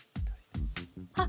あっ。